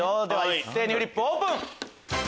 一斉にフリップオープン！